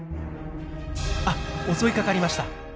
あっ襲いかかりました。